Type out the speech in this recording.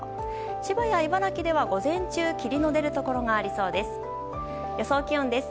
千葉や茨城では午前中霧の出るところがありそうです。